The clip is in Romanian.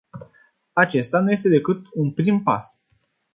Acesta nu este decât un prim pas.